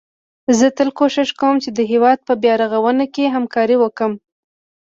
زه تل کوښښ کوم چي د هيواد په بيا رغونه کي همکاري وکړم